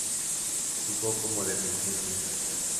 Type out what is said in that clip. Jugó como defensor central.